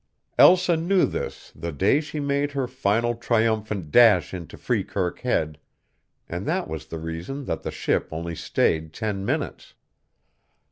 Elsa knew this the day she made her final triumphant dash into Freekirk Head, and that was the reason that the ship only stayed ten minutes.